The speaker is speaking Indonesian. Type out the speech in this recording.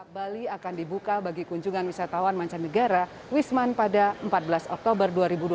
bali akan dibuka bagi kunjungan wisatawan mancanegara wisman pada empat belas oktober dua ribu dua puluh